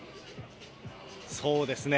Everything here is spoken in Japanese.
そうですね。